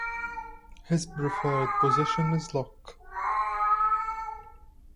His preferred position is lock.